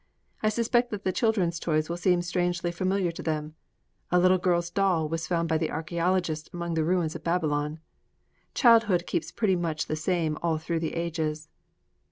I suspect that the children's toys will seem strangely familiar to them: a little girl's doll was found by the archæologists among the ruins of Babylon: childhood keeps pretty much the same all through the ages.